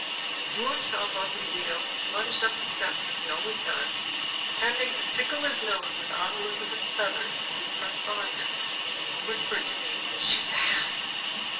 He threw himself off his wheel and plunged up the steps as he always does, pretended to tickle his nose with Aunt Elizabeth's feathers as he passed behind her, and whispered to me: "Shoot the hat!"